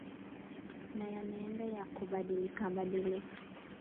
na yanaenda yakubadilika badilika